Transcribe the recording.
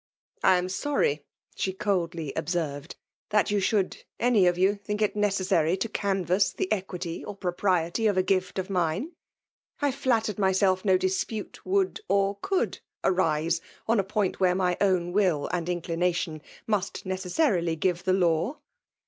."^'I^am sprry/' she coldly observedf ''that ypu should' any of you think it necessa^ to fai|V|tss tho equity or propriety of a gift^ o£ mtne.; I tattered myself no dispute would <» cQuld arine on a point where my own will and inclination must necessarily give the law.*' p 3 106 VBMALK DOMIKAnOW.